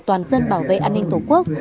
toàn dân bảo vệ an ninh tổ quốc